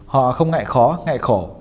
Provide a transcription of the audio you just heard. họ không ngại khó ngại khổ